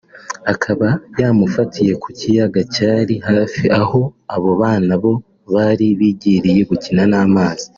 akaba yamufatiye ku kiyaga cyari hafi aho abo bana bo bari bigiriye gukina n’amazi